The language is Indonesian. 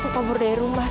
tante kamu mau ke rumah